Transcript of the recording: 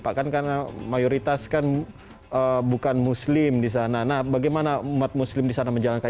pak kan karena mayoritas kan bukan muslim di sana nah bagaimana umat muslim di sana menjalankan